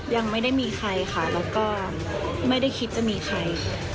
ยังไม่ได้มีใครค่ะแล้วก็ไม่ได้คิดจะมีใคร